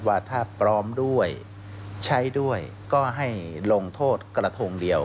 ว่าถ้าพร้อมด้วยใช้ด้วยก็ให้ลงโทษกระทงเดียว